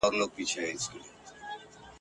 تر دې منلو وروسته به يې هغه ښځه په «اور» کي